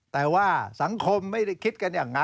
แต่ว่าสังคมไม่ได้คิดกันอย่างนั้น